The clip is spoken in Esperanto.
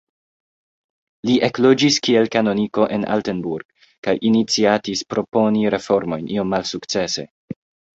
Li ekloĝis kiel kanoniko en Altenburg, kaj iniciatis proponi reformojn, iom malsukcese.